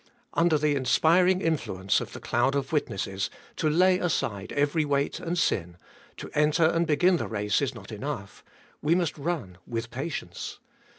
Under the inspiring influence of the cloud of witnesses, to lay aside every weight and sin, to enter and begin the race is not enough — we must run with patience.